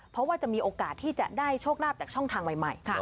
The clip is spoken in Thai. เพราะว่าจะมีโอกาสที่จะได้โชคลาภจากช่องทางใหม่